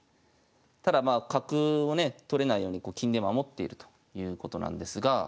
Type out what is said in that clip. ただまあ角をね取れないように金で守っているということなんですが。